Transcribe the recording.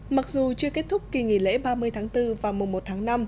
mặc dù chưa kết thúc kỳ nghỉ lễ ba mươi tháng bốn và mùa một tháng năm